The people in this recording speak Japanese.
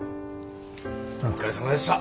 お疲れさまでした。